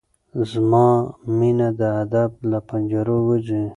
زما مينه د ادب له پنجرو وځي